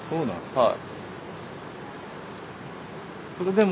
はい。